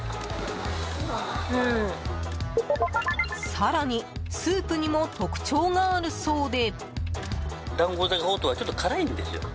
更に、スープにも特徴があるそうで。